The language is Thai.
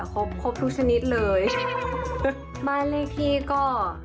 ครบครบทุกชนิดเลยบ้านเลขที่ก็